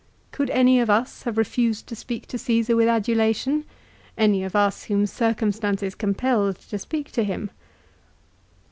Could any of us have refused to speak to Csesar with adulation, any of us whom circumstances compelled to speak to him